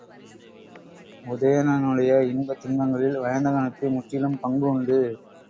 உதயணனுடைய இன்ப துன்பங்களில் வயந்தகனுக்கு முற்றிலும் பங்கு உண்டு.